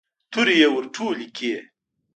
تورې يې ور ټولې کړې.